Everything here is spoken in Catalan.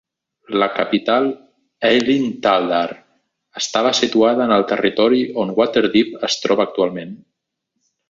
La capital, Aelinthaldaar, estava situada en el territori on Waterdeep es troba actualment.